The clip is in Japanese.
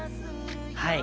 はい。